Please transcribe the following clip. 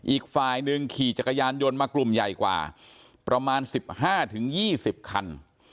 อีกฝ่ายหนึ่งขี่จักรยานยนต์มากลุ่มใหญ่กว่าประมาณ๑๕๒๐คัน